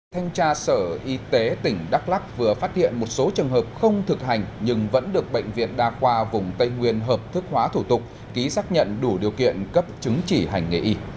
thanh tra sở y tế tỉnh đắk lắc vừa phát hiện một số trường hợp không thực hành nhưng vẫn được bệnh viện đa khoa vùng tây nguyên hợp thức hóa thủ tục ký xác nhận đủ điều kiện cấp chứng chỉ hành nghề y